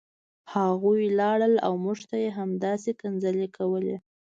هغوی لاړل او موږ ته یې همداسې کنځلې کولې